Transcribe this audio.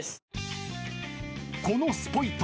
［このスポイト